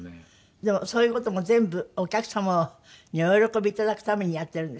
でもそういう事も全部お客様にお喜びいただくためにやってるんですって？